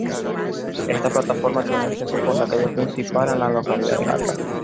Esta plataforma tiene acceso por la Calle Principal, en la localidad de Gata.